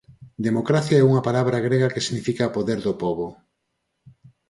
Democracia é unha palabra grega que significa poder do pobo.